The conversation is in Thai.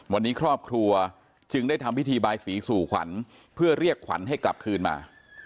วันนี้ครอบครัวจึงได้ทำพิธีบายสีสู่ขวัญเพื่อเรียกขวัญให้กลับคืนมา